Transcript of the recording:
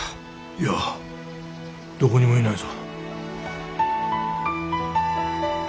いやどこにもいないぞ。